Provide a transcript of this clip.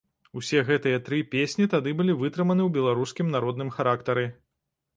Усе гэтыя тры песні тады былі вытрыманы ў беларускім народным характары.